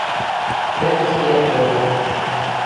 Як і з біятлонам.